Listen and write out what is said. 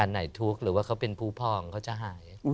หรือว่าเขาเป็นผู้พองเขาจะหาย